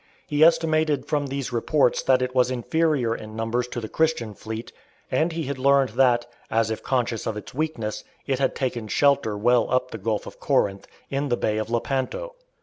He estimated from these reports that it was inferior in numbers to the Christian fleet, and he had learned that, as if conscious of its weakness, it had taken shelter well up the Gulf of Corinth, in the Bay of Lepanto.